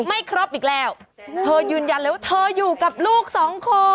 ไม่ครบอีกแล้วเธอยืนยันเลยว่าเธออยู่กับลูกสองคน